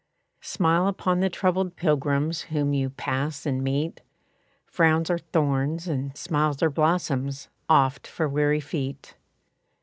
Smile upon the troubled pilgrims Whom you pass and meet; Frowns are thorns, and smiles are blossoms Oft for weary feet.